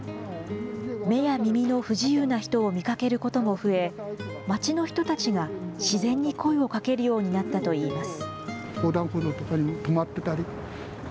目や耳の不自由な人を見かけることも増え、街の人たちが、自然に声をかけるようになったといいます。